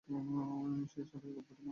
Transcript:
সেই ষাঁড়ের গল্পটি মনে রেখ।